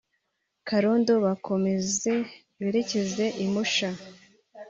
Karondo bakomeze berekeza i Musha